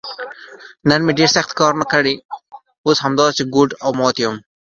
نن مې ډېر سخت کارونه کړي، اوس همداسې ګوډ او مات یم.